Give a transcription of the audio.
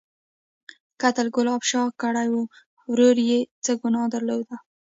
_قتل ګلاب شاه کړی و، ورور يې څه ګناه درلوده؟